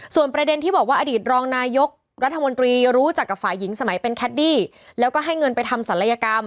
ส่วนประเด็นที่บอกว่าอดีตรองนายกรัฐมนตรีรู้จักกับฝ่ายหญิงสมัยเป็นแคดดี้แล้วก็ให้เงินไปทำศัลยกรรม